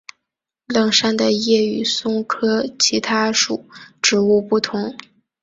冷杉的叶与松科其他属植物不同。